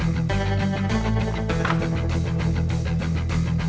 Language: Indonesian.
mejanya dilap dulu ya